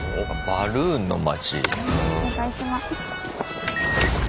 「バルーンの町」。